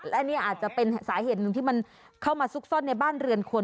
และอันนี้อาจจะเป็นสาเหตุหนึ่งที่มันเข้ามาซุกซ่อนในบ้านเรือนคน